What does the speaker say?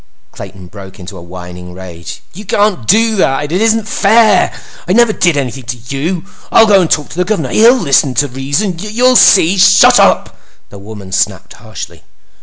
Clayton broke into a whining rage. "You can't do that! It isn't fair! I never did anything to you! I'll go talk to the Governor! He'll listen to reason! You'll see! I'll—" "Shut up!" the woman snapped harshly.